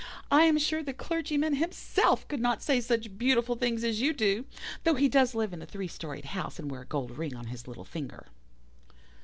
I am sure the clergyman himself could not say such beautiful things as you do, though he does live in a three storied house, and wear a gold ring on his little finger.